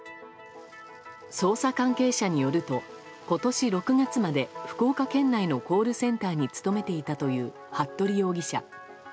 捜査関係者によると今年６月まで福岡県内のコールセンターに勤めていたという服部容疑者。